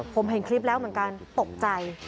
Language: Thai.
ผมเห็นคลิปแล้วเหมือนกันตกใจ